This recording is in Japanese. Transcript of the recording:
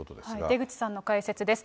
出口さんの解説です。